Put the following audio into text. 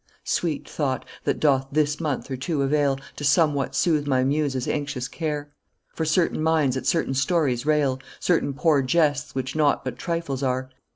"Sweet thought! that doth this month or two avail To somewhat soothe my Muse's anxious care. For certain minds at certain stories rail, Certain poor jests, which nought but trifles are.